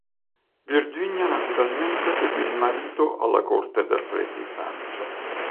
Virginia naturalmente seguì il marito alla corte del re di Francia.